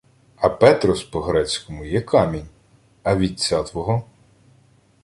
— А «петрос» по-грецькому є камінь. А вітця твого?